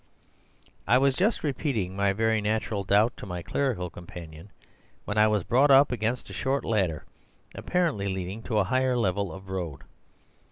"I was just repeating my very natural doubt to my clerical companion when I was brought up against a short ladder, apparently leading to a higher level of road.